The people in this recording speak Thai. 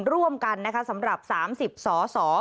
ร่วมกันสำหรับ๓๐สอสอ